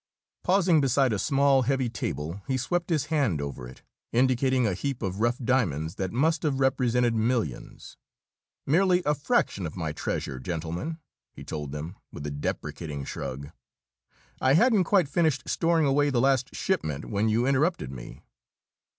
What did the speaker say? Pausing beside a small, heavy table, he swept his hand over it, indicating a heap of rough diamonds that must have represented millions. "Merely a fraction of my treasure, gentlemen," he told them, with a deprecating shrug. "I hadn't quite finished storing away the last shipment, when you interrupted me."